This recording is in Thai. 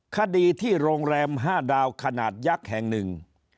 คดีที่โรงแรม๕ดาวขนาดยักษ์แห่งหนึ่ง